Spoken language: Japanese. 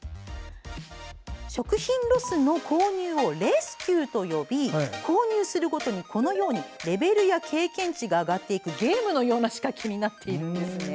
食品ロスの購入を「レスキュー」と呼び購入するごとに、このようにレベルや経験値が上がっていくゲームのような仕掛けになっているんです。